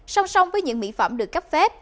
song song với những mỹ phẩm được cấp phép